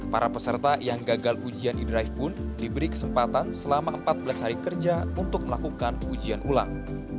para peserta yang gagal ujian e drive pun diberi kesempatan selama empat belas hari kerja untuk melakukan ujian ulang